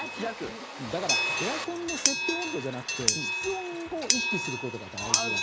だからエアコンの設定温度じゃなくて室温を意識することが大事なんです。